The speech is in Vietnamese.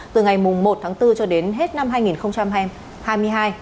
từ ngày một tháng bốn cho đến hết năm hai nghìn hai mươi hai